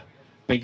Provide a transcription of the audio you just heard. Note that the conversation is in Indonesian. menjaga dan menjaga